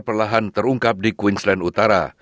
perlahan terungkap di queensland utara